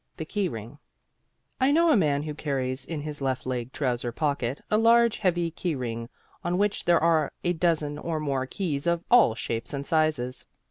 THE KEY RING I know a man who carries in his left leg trouser pocket a large heavy key ring, on which there are a dozen or more keys of all shapes and sizes.